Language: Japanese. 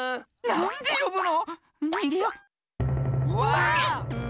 なんでよぶの！